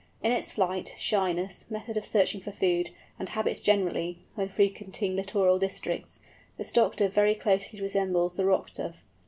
In its flight, shyness, method of searching for food, and habits generally, when frequenting littoral districts, the Stock Dove very closely resembles the Rock Dove.